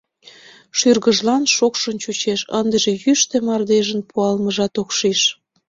Шӱргыжлан шокшын чучеш, ындыже йӱштӧ мардежын пуалмыжымат ок шиж.